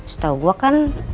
setau gue kan